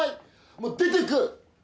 もう出て行く！